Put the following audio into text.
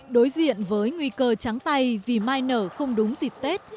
đối diện với nguy cơ trắng tay vì mai nở không đúng dịp tết